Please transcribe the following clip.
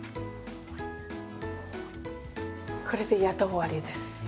これでやっと終わりです。